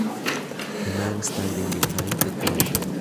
A man standing behind the counter